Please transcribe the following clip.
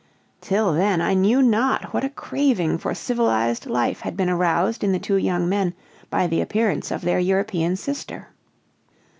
Till then I knew not what a craving for civilized life had been aroused in the two young men by the appearance of their European sister.